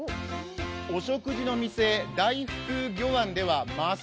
お食事の店、大福魚苑ではます